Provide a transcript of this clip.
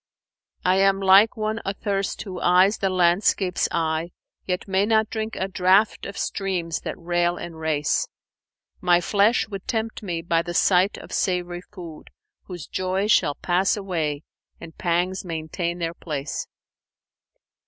I am like one athirst who eyes the landscape's eye, * Yet may not drink a draught of streams that rail and race. My flesh would tempt me by the sight of savoury food * Whose joys shall pass away and pangs maintain their place.'